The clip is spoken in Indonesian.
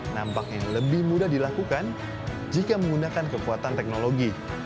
nampaknya lebih mudah dilakukan jika menggunakan kekuatan teknologi